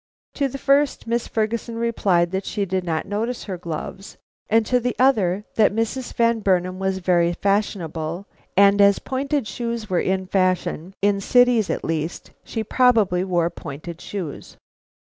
To the first, Miss Ferguson replied that she did not notice her gloves, and to the other, that Mrs. Van Burnam was very fashionable, and as pointed shoes were the fashion, in cities at least, she probably wore pointed shoes.